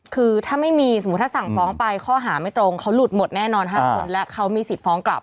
คือถ้าไม่มีสมมุติถ้าสั่งฟ้องไปข้อหาไม่ตรงเขาหลุดหมดแน่นอน๕คนและเขามีสิทธิฟ้องกลับ